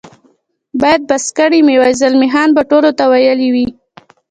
باید بس کړي مې وای، زلمی خان به ټولو ته ویلي وي.